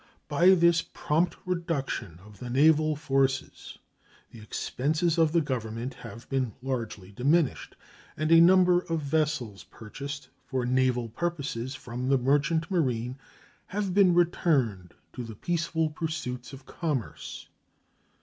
By this prompt reduction of the naval forces the expenses of the Government have been largely diminished, and a number of vessels purchased for naval purposes from the merchant marine have been returned to the peaceful pursuits of commerce.